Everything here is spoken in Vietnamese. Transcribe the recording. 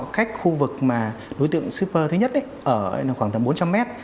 cách khu vực mà đối tượng super thứ nhất ở khoảng tầm bốn trăm linh m